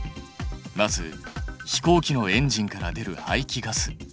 まず飛行機のエンジンから出る排気ガス。